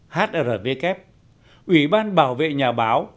hrbk ủy ban bảo vệ nhà báo